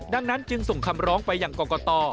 ดังนั้นจึงส่งคำร้องไปอย่างกรกต